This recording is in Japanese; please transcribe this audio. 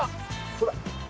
ほら。